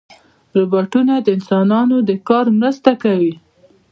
روبوټونه د انسانانو د کار مرسته کوي.